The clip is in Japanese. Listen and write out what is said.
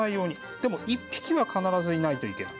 でも１匹は必ずいないといけない。